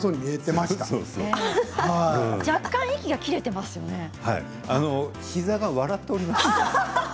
若干、息が膝が笑っております。